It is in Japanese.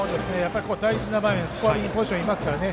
大事な場面でスコアリングポジションにいますからね。